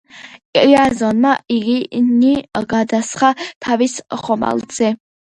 იაზონმა იგინი გადასხა თავის ხომალდზე.